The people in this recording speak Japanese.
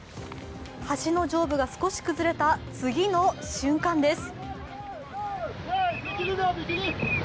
橋の上部が少し崩れた次の瞬間です。